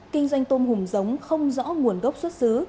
kinh doanh tôm hùm giống không rõ nguồn gốc xuất xứ